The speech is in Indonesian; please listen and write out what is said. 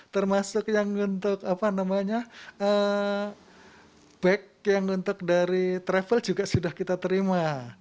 termasuk yang untuk bag yang untuk dari travel juga sudah kita terima